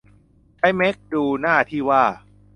ใช้แมคดูหน้าที่ว่า